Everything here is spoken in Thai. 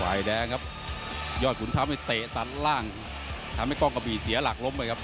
แดงครับยอดขุนทัพนี่เตะสันล่างทำให้กล้องกะบี่เสียหลักล้มเลยครับ